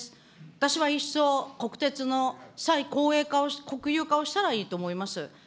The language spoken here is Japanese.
私は一層、国鉄の再国有化をしたらいいと思います。